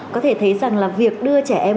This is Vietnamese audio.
có thể thấy rằng là việc đưa trẻ em